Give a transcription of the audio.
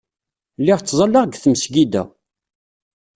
Lliɣ ttẓallaɣ deg tmesgida.